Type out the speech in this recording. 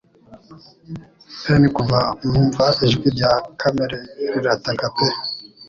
E'en kuva mu mva ijwi rya Kamere rirataka pe